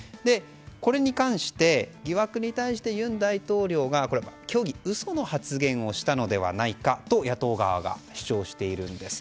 これに関して疑惑に対して尹大統領が虚偽、嘘の発言をしたのではないかと野党側が主張しているんです。